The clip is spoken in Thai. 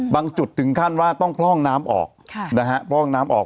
บางจุดถึงขั้นว่าต้องพร่องน้ำออก